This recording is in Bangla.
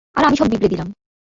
আর আমি সব বিগড়ে দিলাম।